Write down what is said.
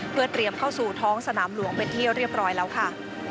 เพื่อเตรียมเข้าสู่ท้องสนามหลวงเป็นที่เรียบร้อยแล้วค่ะ